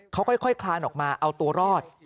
เขาค่อยคลานออกมาเอาตัวรอด